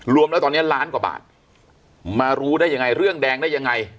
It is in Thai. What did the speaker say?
รวมแล้วตอนนี้ล้านกว่าบาทมารู้ได้ยังไงเรื่องแดงได้ยังไง